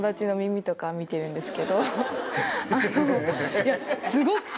いやすごくて！